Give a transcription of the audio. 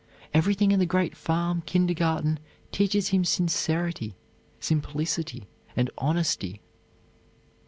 Everything in the great farm kindergarten teaches him sincerity, simplicity and honesty.